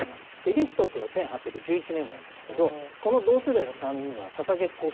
でリストっていうのは１８１１年生まれなんですけどこの同世代の３人が捧げっこをしてるっていう。